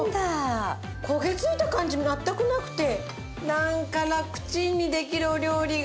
こげついた感じ全くなくてなんかラクチンにできるお料理が。